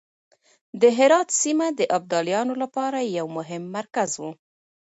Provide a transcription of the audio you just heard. د هرات سيمه د ابدالیانو لپاره يو مهم مرکز و.